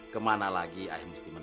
kemana lagi ayah mesti menemui dia